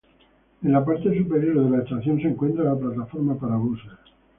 En la parte superior de la estación se encuentra la plataforma para buses.